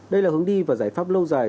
đây là hướng đi và giải pháp lâu dài